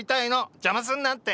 邪魔すんなって！